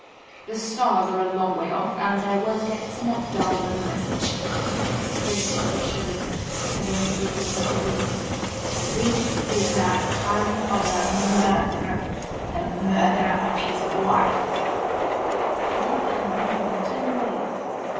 The Stars are a long way off, and their words get somewhat dulled in the message." The gipsy shuddered, and then spoke impressively. "This is the hand of a murderer—the murderer of his wife!" She dropped the hand and turned away.